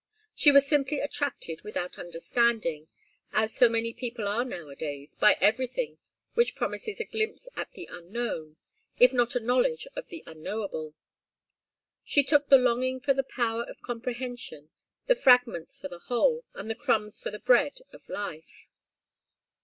She was simply attracted without understanding, as so many people are nowadays, by everything which promises a glimpse at the unknown, if not a knowledge of the unknowable. She took the longing for the power of comprehension, the fragments for the whole, and the crumbs for the bread of life.